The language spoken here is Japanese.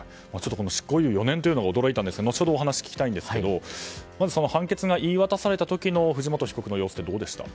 執行猶予４年というのは驚きましたが後ほど、お話聞きたいんですがまず、判決が言い渡された時の藤本被告の様子はどうでした？